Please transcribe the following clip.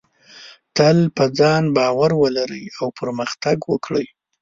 تل په ځان باور ولرئ او پرمختګ وکړئ.